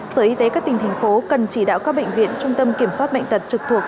sở y tế các tỉnh thành phố cần chỉ đạo các bệnh viện trung tâm kiểm soát bệnh tật trực thuộc